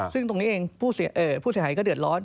ซึ่งตรงนี้เองผู้เสียหายก็เดือดร้อน